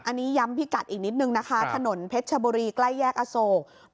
อันนี้ย้ำพิกัดอีกนิดนึงนะคะถนนเพชรชบุรีใกล้แยกอโศก